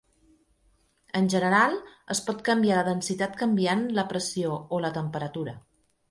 En general, es pot canviar la densitat canviant la pressió o la temperatura.